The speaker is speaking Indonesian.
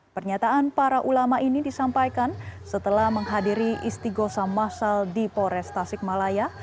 pernyataan para ulama ini disampaikan setelah menghadiri istighosa masal di polres tasikmalaya